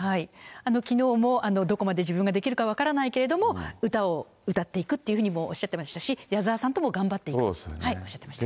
きのうもどこまで自分ができるか分からないけども、歌を歌っていくというふうにもおっしゃってましたし、矢沢さんとも頑張っていくっておっしゃってました。